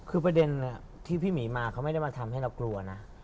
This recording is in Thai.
คือประเด็นที่พี่หมีมาเขาไม่ได้มาทำให้เรากลัวนะ